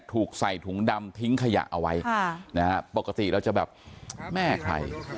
ถูกใส่ถุงดำทิ้งขยะเอาไว้ปกติเราจะแบบแม่ใคร